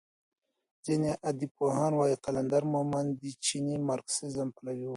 ځینې ادبپوهان وايي قلندر مومند د چیني مارکسیزم پلوی و.